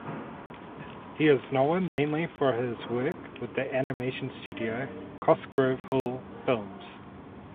He is known mainly for his work with the animation studio Cosgrove Hall Films.